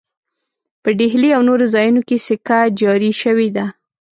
په ډهلي او نورو ځایونو کې سکه جاري شوې ده.